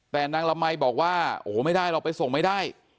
แต่นางละมัยบอกว่าโอ้โหไม่ได้หรอกไปส่งไม่ได้